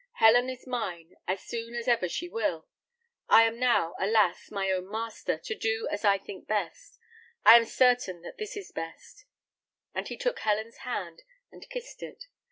Helen is mine, as soon as ever she will. I am now, alas, my own master, to do as I think best. I am certain that this is best;" and he took Helen's hand, and kissed it.